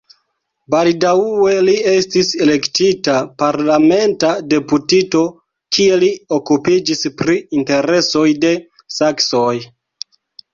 Baldaŭe li estis elektita parlamenta deputito, kie li okupiĝis pri interesoj de saksoj.